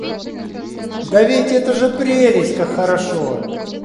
Да ведь это же прелесть как хорошо.